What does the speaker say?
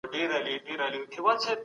ميرويس خان د دربار چارواکي څنګه خپل کړل؟